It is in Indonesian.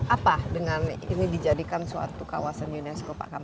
apa dengan ini dijadikan suatu kawasan unesco pak